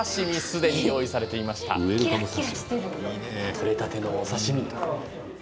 取れたてのお刺身。